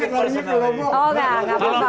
jadi sangat penuh marah